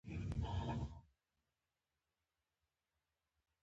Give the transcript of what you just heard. موږ باید د مقاومت تمرین وکړو.